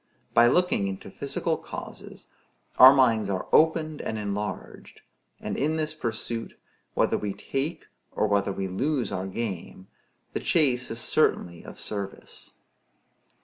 By looking into physical causes our minds are opened and enlarged; and in this pursuit, whether we take or whether we lose our game, the chase is certainly of service.